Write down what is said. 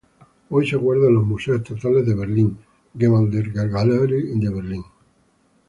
Hoy se guarda en los Museos Estatales de Berlín, Gemäldegalerie de Berlín.